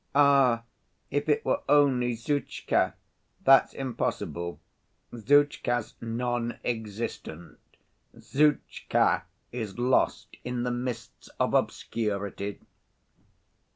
"Ah! if it were only Zhutchka!" "That's impossible. Zhutchka's non‐existent. Zhutchka is lost in the mists of obscurity."